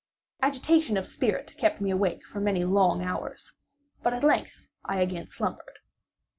Agitation of spirit kept me awake for many long hours, but at length I again slumbered.